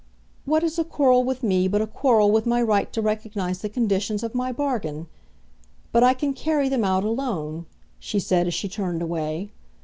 "What is a quarrel with me but a quarrel with my right to recognise the conditions of my bargain? But I can carry them out alone," she said as she turned away.